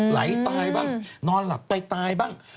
ไหลตายบ้างนอนหลับไปตายบ้าง